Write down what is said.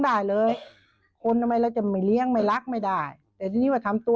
ได้เลยคนทำไมเราจะไม่เลี้ยงไม่รักไม่ได้แต่ทีนี้ว่าทำตัว